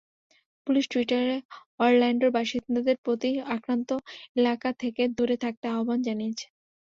Police টুইটারে অরল্যান্ডোর বাসিন্দাদের প্রতি আক্রান্ত এলাকা থেকে দূরে থাকতে আহ্বান জানিয়েছে।